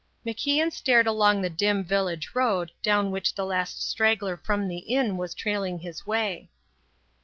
MacIan stared along the dim village road, down which the last straggler from the inn was trailing his way.